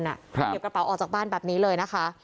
เก็บกระเป๋าออกจากบ้านแบบนี้เลยนะคะ